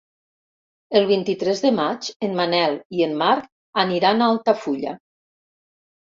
El vint-i-tres de maig en Manel i en Marc aniran a Altafulla.